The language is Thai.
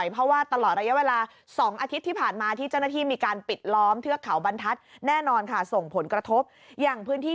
พัฒนาที่มันนังจังหวัดสตูน